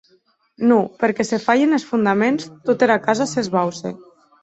Non, perque se falhen es fondaments, tota era casa s'esbauce.